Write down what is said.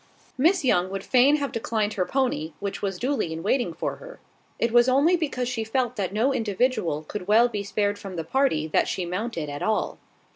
Miss Young would fain have declined her pony, which was duly in waiting for her. It was only because she felt that no individual could well be spared from the party that she mounted at all.